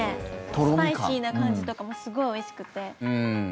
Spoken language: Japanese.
スパイシーな感じとかもすごいおいしくて。